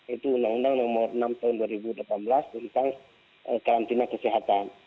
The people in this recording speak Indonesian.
itu undang undang nomor enam tahun dua ribu delapan belas tentang karantina kesehatan